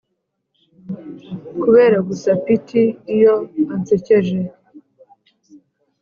kubera gusa pitty iyo ansekeje